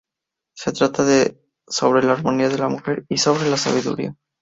Se trata de "Sobre la armonía de la mujer" y "Sobre la Sabiduría".